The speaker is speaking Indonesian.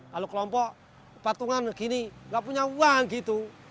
lalu kelompok batungan begini enggak punya uang gitu